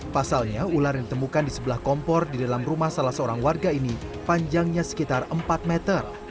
pasalnya ular yang ditemukan di sebelah kompor di dalam rumah salah seorang warga ini panjangnya sekitar empat meter